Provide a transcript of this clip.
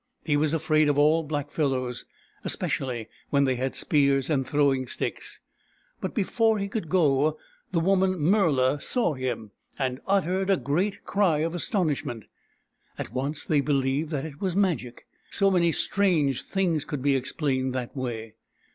He was afraid of all blackfellows, especially when they had spears and throwing sticks. But before he could go, the woman Murla saw him, and uttered a great cry of astonishment. At once they believed that it was Magic — so many strange things could be explained that way.